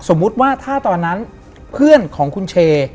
สมมุติว่าถ้าตอนนั้นเพื่อนของคุณเช